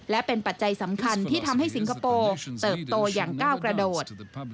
และเป็นปัจจัยสำคัญที่ทำให้สิงคโปร์เติบโตอย่างก้าวกระโดด